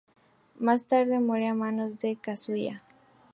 Más tarde muere a manos de Kazuya.